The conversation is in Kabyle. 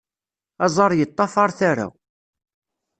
Aẓar yeṭṭafar tara.